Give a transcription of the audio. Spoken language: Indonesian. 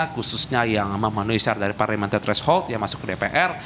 khususnya yang memanuisar dari parlimen t threshold yang masuk ke dpr